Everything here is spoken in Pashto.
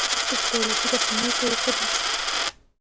چې په دولتي رسنیو کې وښودل شول